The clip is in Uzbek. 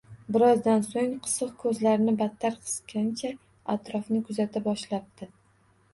Birozdan so‘ng qisiq ko‘zlarini battar qisgancha atrofni kuzata boshlabdi